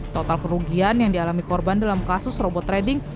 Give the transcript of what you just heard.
total kerugian yang dialami korban dalam kasus robot trading